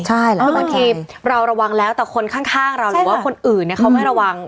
ใช่หลายด้านใจบางทีเราระวังแล้วแต่คนข้างเราหรือว่าคนอื่นเนี่ยเขาไม่ระวัง